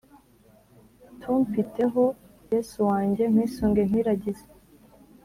Tumpiteho yesu wanjye nkwisunge nkwiragize